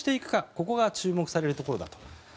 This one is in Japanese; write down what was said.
ここが注目されるところだと。